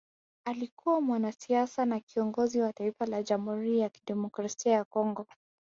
Alikuwa mwanasiasa na kiongozi wa Taifa la Jamhuri ya kidemokrasia ya Kongo